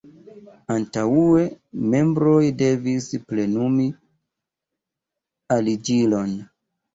Antaŭe membroj devis plenumi aliĝilon.